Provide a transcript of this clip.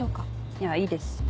いやいいです